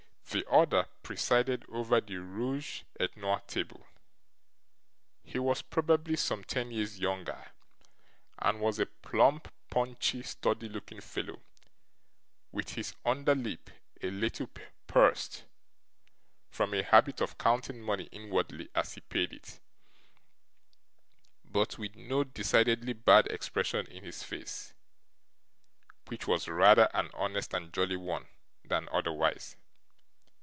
The other presided over the ROUGE ET NOIR table. He was probably some ten years younger, and was a plump, paunchy, sturdy looking fellow, with his under lip a little pursed, from a habit of counting money inwardly as he paid it, but with no decidedly bad expression in his face, which was rather an honest and jolly one than otherwise.